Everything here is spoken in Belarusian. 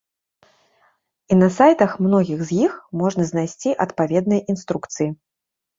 І на сайтах многіх з іх можна знайсці адпаведныя інструкцыі.